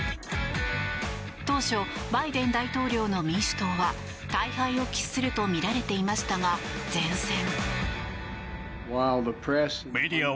当初、バイデン大統領の民主党は大敗を喫するとみられていましたが善戦。